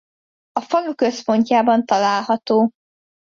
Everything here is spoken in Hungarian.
A falu központjában található.